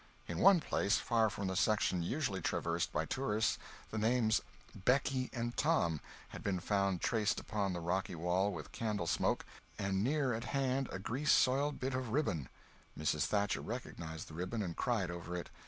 In one place, far from the section usually traversed by tourists, the names "BECKY & TOM" had been found traced upon the rocky wall with candle smoke, and near at hand a grease soiled bit of ribbon. Mrs. Thatcher recognized the ribbon and cried over it.